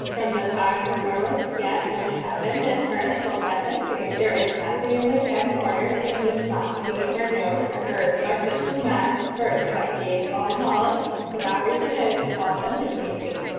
From the time when there was yet no heaven and earth till the present day, there is nothing in the ten quarters which is not seen, or known, or heard by such a mind, for it has gained all knowledge, and for that reason it is called *illiuninating.'"